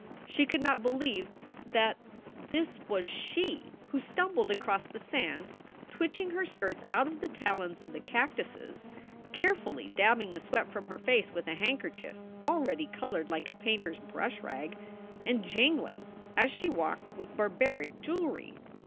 She could not believe that this was she who stumbled across the sand, twitching her skirts out of the talons of the cactuses, care fully dabbing the sweat from her face with a handkerchief already colored like a painter s brush rag, and jingling, as she walked, with barbaric jewelry.